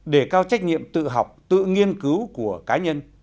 để cao trách nhiệm tự học tự nghiên cứu của cá nhân